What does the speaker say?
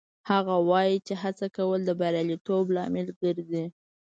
هغه وایي چې هڅه کول د بریالیتوب لامل ګرځي